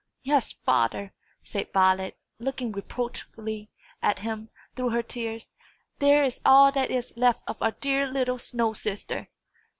"Yes, father," said Violet, looking reproachfully at him, through her tears, "there is all that is left of our dear little snow sister!"